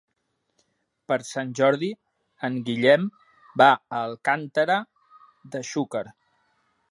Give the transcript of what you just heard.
Per Sant Jordi en Guillem va a Alcàntera de Xúquer.